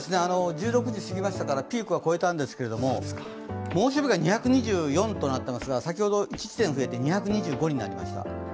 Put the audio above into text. １６時すぎましたからピークは超えたんですけれども、猛暑日が２２４となりましたが、先ほど１地点増えて２２５になりました。